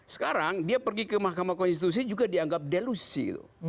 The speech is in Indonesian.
sekarang dia pergi ke mahkamah konstitusi juga dianggap delusi